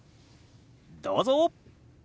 どうぞ！